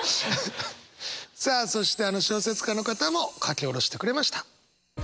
さああの小説家の方も書き下ろしてくれました。